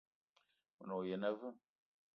Me ne wa yene aveu?